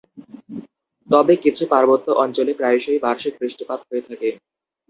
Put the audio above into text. তবে কিছু পার্বত্য অঞ্চলে প্রায়শই বার্ষিক বৃষ্টিপাত হয়ে থাকে।